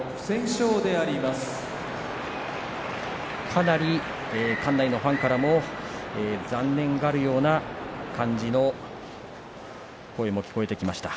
かなり館内のファンからも残念がるような感じの声も聞こえてきました。